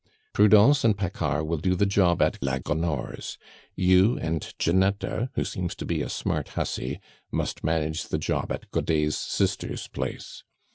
"Prudence and Paccard will do the job at la Gonore's; you and Ginetta who seems to be a smart hussy must manage the job at Godet's sister's place.